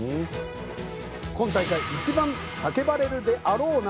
今大会一番叫ばれるであろう名前